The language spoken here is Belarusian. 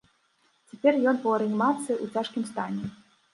Цяпер ён у рэанімацыі ў цяжкім стане.